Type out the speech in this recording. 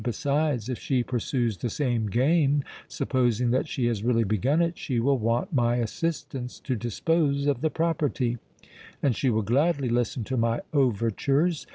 Besides, if she pursues the same game—supposing that she has really begun it—she will want my assistance to dispose of the property; and she will gladly listen to my overtures.